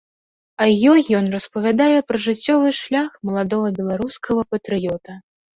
У ёй ён распавядае пра жыццёвы шлях маладога беларускага патрыёта.